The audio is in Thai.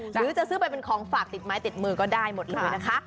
หรือจะซื้อไปเป็นของฝากติดไม้ติดมือก็ได้หมดเลยนะคะ